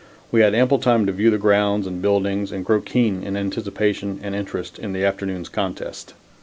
We had ample time to view the grounds and buildings and grow keen in anticipation and interest in the afternoon's contest.